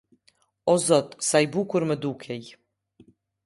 O zoti Sa i bukur më dukej.